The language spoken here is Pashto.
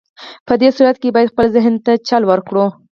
په دې صورت کې بايد خپل ذهن ته چل ورکړئ.